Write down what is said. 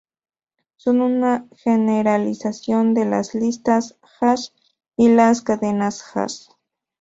Son una generalización de las listas hash y las cadenas hash.